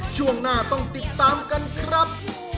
ช่วงหน้าต้องติดตามกันครับ